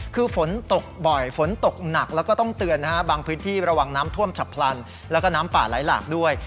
คือฝนตกบ่อยฝนตกหนักแล้วก็ต้องเตือนนะฮะบางพื้นที่ระวังน้ำท่วมฉับพลันแล้วก็น้ำป่าไหลหลากด้วย